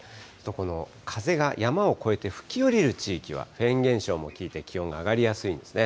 この風が山を越えて吹き降りる地域は、フェーン現象もきいて気温が上がりやすいんですね。